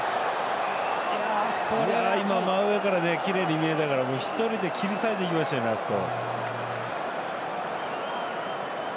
真上から、きれいに見えたから一人で切り裂いていきましたねあそこ。